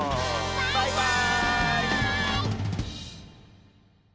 バイバーイ！